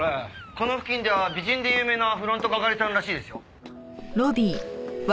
この付近では美人で有名なフロント係さんらしいですよ。